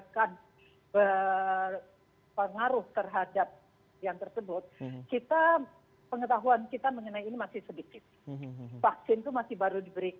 karena kalau kita mengatasi itu kita tidak bisa mengatasi bahwa vaksin itu sudah diberikan